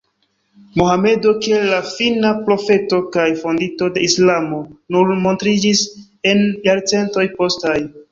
Mohamedo kiel la Fina Profeto kaj fondinto de islamo nur montriĝis en jarcentoj postaj.